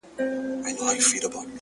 د ژوند پر هره لاره و بلا ته درېږم _